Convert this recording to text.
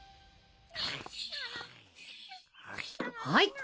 はい。